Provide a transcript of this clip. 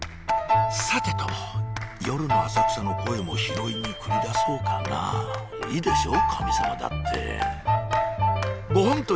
さてと夜の浅草の声も拾いに繰り出そうかないいでしょ？